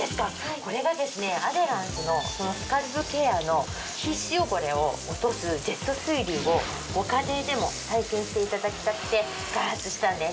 これがですねアデランスのスカルプケアの皮脂汚れを落とすジェット水流をご家庭でも体験していただきたくて開発したんです。